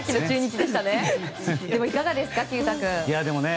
いかがですか、毬太君。